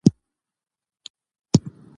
د علم او پوهې په رڼا کې یې وساتو.